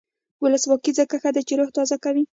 ولسواکي ځکه ښه ده چې روح تازه کوي.